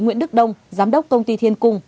nguyễn đức đông giám đốc công ty thiên cung